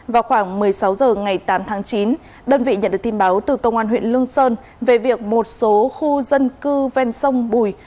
vào khoảng một mươi sáu h ngày tám tháng chín đơn vị nhận được tin báo từ công an huyện lương sơn về việc một số khu dân cư ven sông bùi